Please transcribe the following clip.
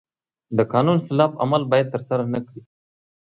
د قانون خلاف عمل باید ترسره نکړي.